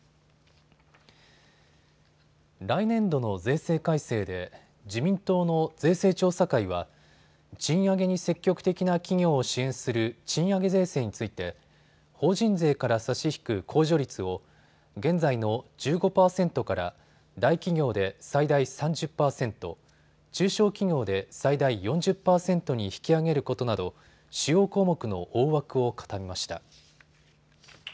来年度の税制改正で自民党の税制調査会は賃上げに積極的な企業を支援する賃上げ税制について法人税から差し引く控除率を現在の１５％から大企業で最大３０％、中小企業で最大４０％に引き上げることなど主要項目の大枠を固めました。